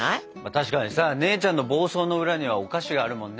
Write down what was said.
確かにさ姉ちゃんの暴走の裏にはお菓子があるもんね。